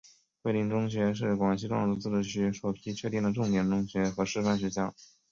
桂林中学是广西壮族自治区首批确定的重点中学和示范学校。